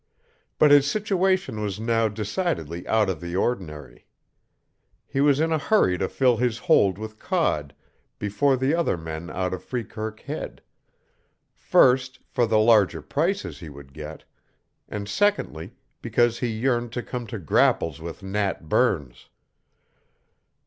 But his situation was now decidedly out of the ordinary. He was in a hurry to fill his hold with cod before the other men out of Freekirk Head; first, for the larger prices he would get; and secondly, because he yearned to come to grapples with Nat Burns.